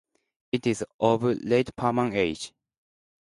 It is of Late Permian age.